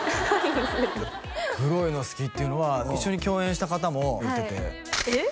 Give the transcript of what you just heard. グロいの好きっていうのは一緒に共演した方も言っててえっ？